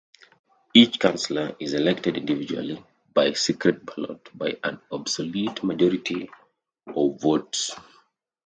Each Councillor is elected individually by secret ballot by an absolute majority of votes.